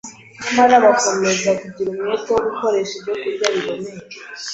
Nyamara abakomeza kugira umwete wo gukoresha ibyokurya biboneye,